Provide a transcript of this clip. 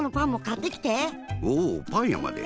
おおパンやまで！